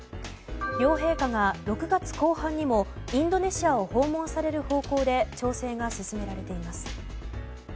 両陛下が６月後半にもインドネシアを訪問される方向で調整が進められています。